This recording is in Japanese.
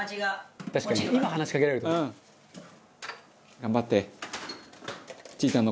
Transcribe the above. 頑張って。